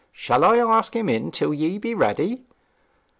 Shall I ask him in till ye be ready?'